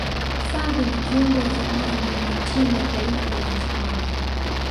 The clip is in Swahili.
xavi ni kiungo wa zamani ya timu ya taifa ya hispania